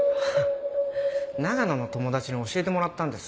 長野の友達に教えてもらったんです。